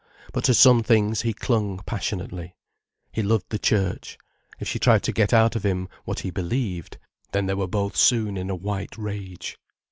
But to some things he clung passionately. He loved the Church. If she tried to get out of him, what he believed, then they were both soon in a white rage.